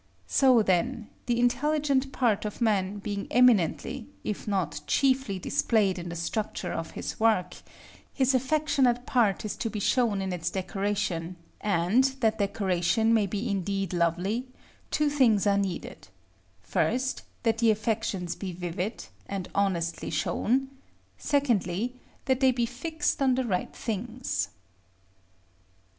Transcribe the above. So, then, the intelligent part of man being eminently, if not chiefly, displayed in the structure of his work, his affectionate part is to be shown in its decoration; and, that decoration may be indeed lovely, two things are needed: first, that the affections be vivid, and honestly shown; secondly, that they be fixed on the right things.